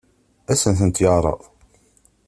Ad as-tent-yeɛṛeḍ?